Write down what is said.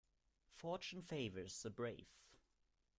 Fortune favours the brave.